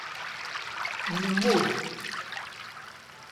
Nemmut.